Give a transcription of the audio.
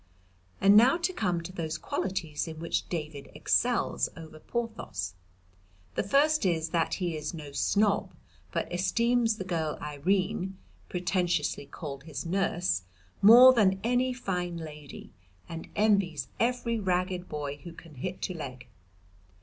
"And now to come to those qualities in which David excels over Porthos the first is that he is no snob but esteems the girl Irene (pretentiously called his nurse) more than any fine lady, and envies every ragged boy who can hit to leg.